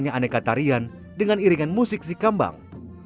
dan membuatnya aneka tarian dengan iringan musik sikambang